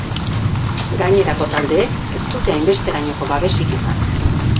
Gainerako taldeek ez dute hainbesterainoko babesik izan.